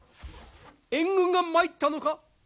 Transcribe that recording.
援軍が参ったのか！？